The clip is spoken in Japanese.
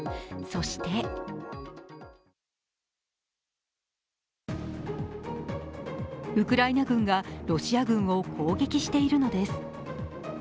そして、ウクライナ軍がロシア軍を攻撃しているのです。